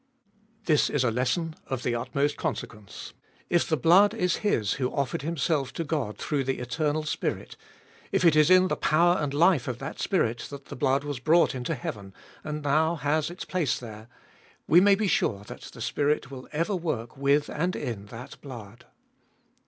This is a lesson of the utmost consequence. If the blood is His who offered Himself to God through the Eternal Spirit, if it is in the power and life of that Spirit that the blood was brought into heaven, and now has its place there, we may be 304 fcbe tboUest of sure that that Spirit will ever work with and in that blood.